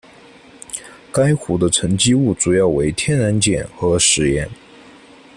该湖的沉积物主要为天然碱和石盐。